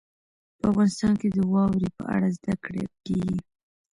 په افغانستان کې د واورې په اړه زده کړه کېږي.